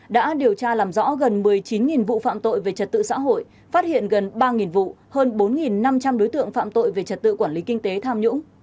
đã điều tra làm rõ gần một mươi chín vụ phạm tội về trật tự xã hội phát hiện gần ba vụ hơn bốn năm trăm linh đối tượng phạm tội về trật tự quản lý kinh tế tham nhũng